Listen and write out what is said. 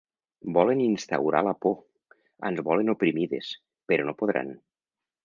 Volen instaurar la por, ens volen oprimides, però no podran.